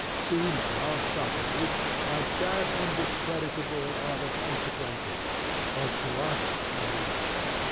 See now, Socrates, how sad and discreditable are the consequences, both to us and you.